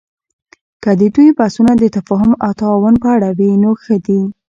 که د دوی بحثونه د تفاهم او تعاون په اړه وي، نو ښه دي